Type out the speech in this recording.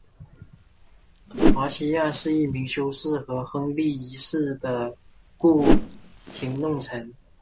华西亚是一名修士和亨利一世的宫廷弄臣。